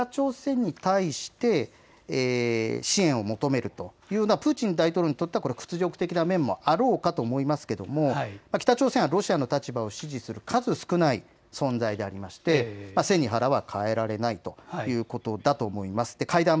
そんな北朝鮮に対して支援を求めるというのはプーチン大統領にとっては屈辱的な面もあろうかと思いますが北朝鮮はロシアの立場を支持する数少ない存在でありまして背に腹は代えられないということだと思います。